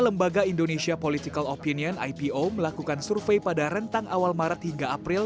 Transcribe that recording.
lembaga indonesia political opinion ipo melakukan survei pada rentang awal maret hingga april